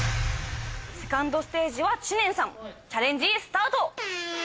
セカンドステージは知念さんチャレンジスタート！